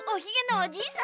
おじいさん？